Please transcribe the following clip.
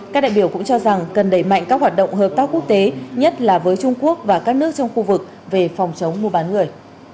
các đại biểu cũng cho rằng cần đẩy mạnh các hoạt động hợp tác quốc tế nhất là với trung quốc và các nước trong khu vực về phòng chống mua bán người